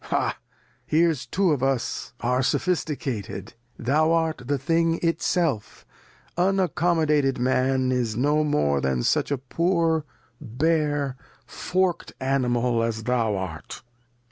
Ha ! here's two of us are Sophisticated ; thou art the Thing itself, unaccomodated Man is no more than such a poor bare fork'd Animal as thou art.